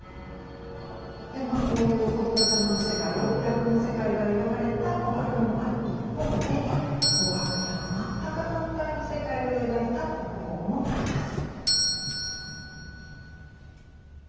でまあこういう仏様の世界極楽の世界が描かれた国宝もある一方で東博には全く反対の世界を描いた国宝もあります。